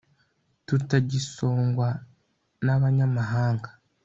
tutagisongwa n'abanyamahanga